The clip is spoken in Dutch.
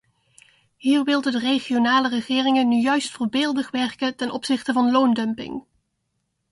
Hier wilden de regionale regeringen nu juist voorbeeldig werken ten opzichte van loondumping.